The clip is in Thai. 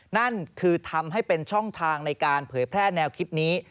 นั่นคือทำให้เป็นช่องทางในการเผยแพร่แนวคิดนี้